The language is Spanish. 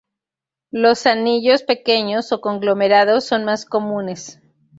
Los anillos pequeños o conglomerados son más comunes.